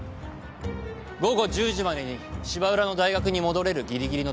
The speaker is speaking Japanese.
午後１０時までに芝浦の大学に戻れるぎりぎりの所。